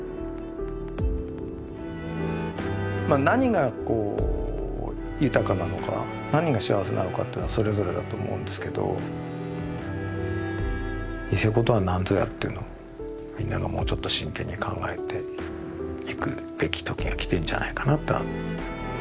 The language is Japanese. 何が豊かなのか何が幸せなのかっていうのはそれぞれだと思うんですけどニセコとは何ぞやっていうのをみんながもうちょっと真剣に考えていくべき時が来てるんじゃないかなとは。